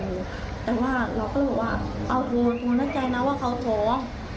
แต่ว่าเราก็เลยบอกว่าเอาโทรนัดใจนะว่าเขาท้อง